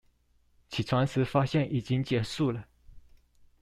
起床時發現已經結束了